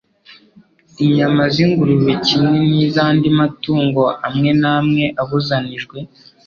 Inyama z'ingurube kimwe n'iz'andi matungo amwe namwe abuzanijwe,